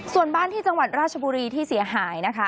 ส่วนบ้านที่จังหวัดราชบุรีที่เสียหายนะคะ